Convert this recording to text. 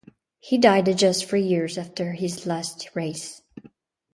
He died just three years after his last race.